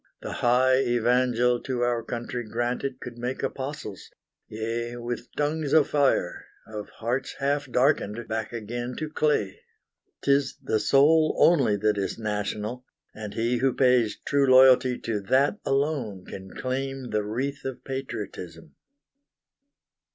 The high evangel to our country granted Could make apostles, yea, with tongues of fire, Of hearts half darkened back again to clay! 'Tis the soul only that is national, And he who pays true loyalty to that Alone can claim the wreath of patriotism.